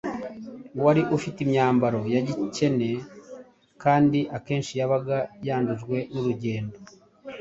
uwari ufite imyambaro ya gikene kandi akenshi yabaga yandujwe n’urugendo,